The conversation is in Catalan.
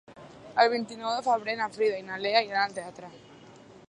El vint-i-nou de febrer na Frida i na Lea iran al teatre.